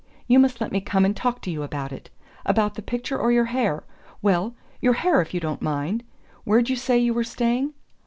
You must let me come and talk to you about it... About the picture or your hair? Well, your hair if you don't mind. Where'd you say you were staying?